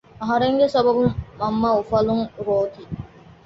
އަހަރެންގެ ސަބަބުން މަންމަ އުފަލުން ރޯތީ